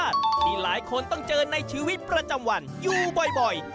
ที่หลายคนต้องเจอในชีวิตประจำวันอยู่บ่อย